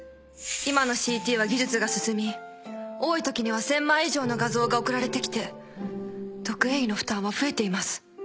今のＣＴは技術が進み多いときには１，０００枚以上の画像が送られてきて読影医の負担は増えています。